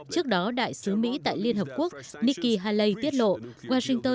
trước đó đại sứ mỹ tại liên hợp quốc nikki haley tiết lộ washington